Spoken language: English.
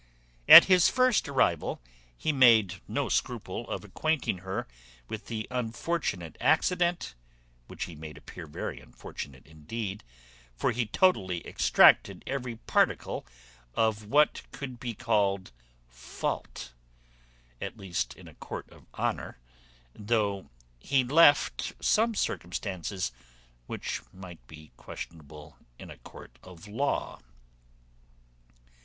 At his first arrival he made no scruple of acquainting her with the unfortunate accident; which he made appear very unfortunate indeed, for he totally extracted every particle of what could be called fault, at least in a court of honour, though he left some circumstances which might be questionable in a court of law.